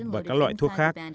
và các loại thuốc khác